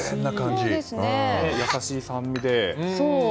優しい酸味で。